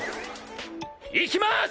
行きます！！